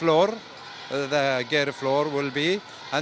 lantai gerak akan berada di sana